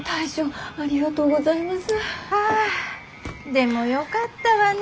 でもよかったわね